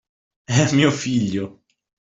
È mio figlio!